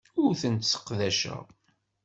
Ur tent-sseqdaceɣ.